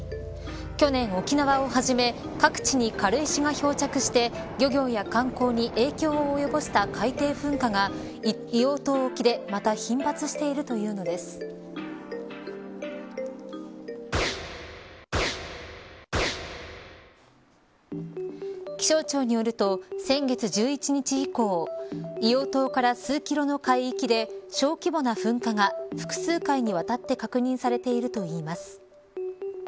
去年、沖縄をはじめ各地で軽石が漂着して漁業や観光に影響を及ぼした海底噴火が硫黄島沖でまた頻発しているというのです気象庁によると先月１１日以降硫黄島から数キロの海域で小規模な噴火が複数回にわたって確認されているといいます。